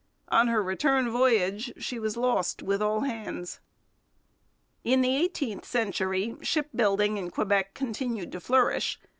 On her return voyage she was lost with all hands. In the eighteenth century shipbuilding in Quebec continued to flourish.